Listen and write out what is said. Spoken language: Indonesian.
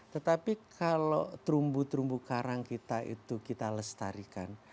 tetapi kalau terumbu terumbu karang kita itu kita lestarikan